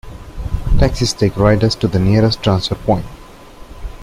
Taxis take riders to the nearest transfer point.